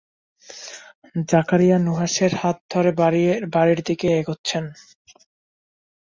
জাকারিয়া নুহাশের হাত ধরে বাড়ির দিকে এগুচ্ছেন।